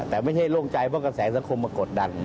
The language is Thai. แต่ไม่ใช่โล่งใจเพราะกระแสสังคมมากดดัน